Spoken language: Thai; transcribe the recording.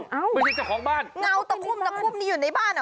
ไม่ใช่เจ้าของบ้านเงาตะคุ่มตะคุ่มนี่อยู่ในบ้านอ่ะ